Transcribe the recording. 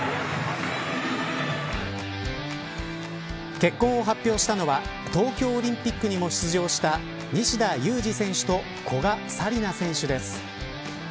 結婚を発表したのは東京オリンピックにも出場した西田有志選手と古賀紗理那選手です。